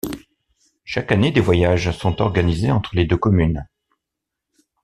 Chaque année des voyages sont organisés entre les deux communes.